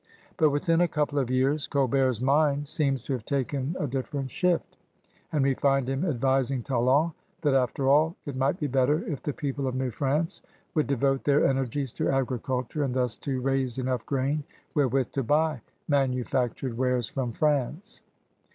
But within a couple of years Col bert's mind seems to have taken a different shift, and we find him advising Talon that, after all, it might be better if the people of New France would devote their energies to agriculture and thtis to raise enough grain wherewith to buy manufactured 190 CRUSADERS OF NEW FRANCE wares from France.